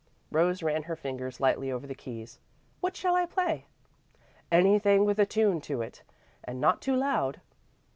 Rose ran her fingers lightly over the keys. "What shall I play?" "Anything with a tune to it, and not too loud."